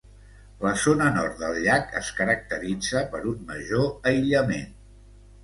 La zona nord del llac es caracteritza per un major aïllament.